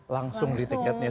langsung beli tiketnya